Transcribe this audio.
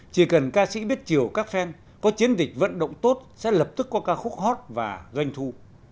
chỉ cần ca sĩ biết chiều các fan có chiến dịch vận động tốt sẽ lập tức có ca khúc hot và doanh thu